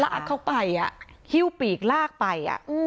อัดเข้าไปฮิ้วปีกลากไป